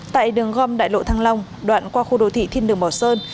tại đường gom đại lộ thăng long đoạn qua khu đô thị thiên đường mỏ sơn